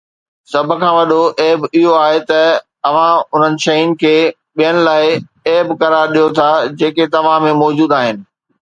سڀ کان وڏو عيب اهو آهي ته توهان انهن شين کي ٻين لاءِ عيب قرار ڏيو ٿا جيڪي توهان ۾ موجود آهن